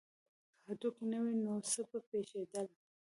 که هډوکي نه وی نو څه به پیښیدل